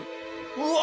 うわ！